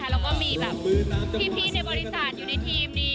แล้วก็มีแบบพี่ในบริษัทอยู่ในทีมนี้